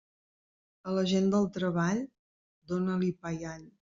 A la gent del treball, dóna-li pa i all.